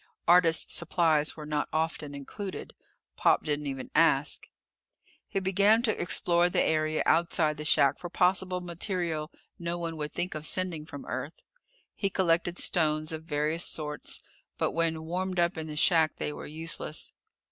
Artists' supplies were not often included. Pop didn't even ask. He began to explore the area outside the shack for possible material no one would think of sending from Earth. He collected stones of various sorts, but when warmed up in the shack they were useless.